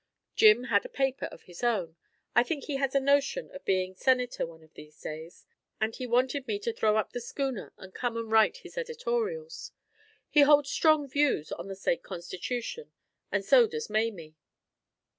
Jim had a paper of his own I think he has a notion of being senator one of these days and he wanted me to throw up the schooner and come and write his editorials. He holds strong views on the State Constitution, and so does Mamie."